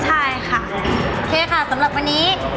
ใช่ค่ะโอเคค่ะสำหรับวันนี้